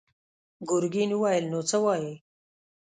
ګرګين وويل: نو څه وايې؟